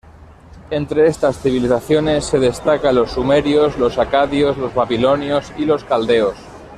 Entre estas civilizaciones se destacan los sumerios, los acadios, los babilonios y los caldeos.